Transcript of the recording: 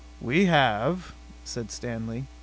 "We have," said Stanley.